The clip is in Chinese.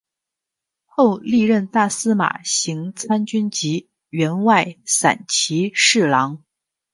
后历任大司马行参军及员外散骑侍郎。